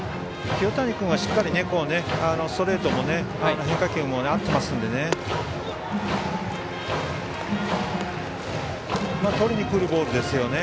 清谷君はしっかりストレートも変化球も合っていますのでね。